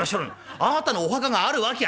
あなたのお墓があるわきゃ」。